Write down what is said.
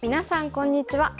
こんにちは。